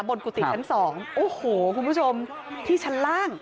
กุฏิชั้นสองโอ้โหคุณผู้ชมที่ชั้นล่าง